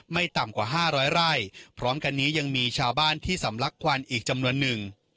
ต่ำกว่าห้าร้อยไร่พร้อมกันนี้ยังมีชาวบ้านที่สำลักควันอีกจำนวนหนึ่ง